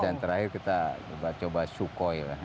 dan terakhir kita coba coba sukoi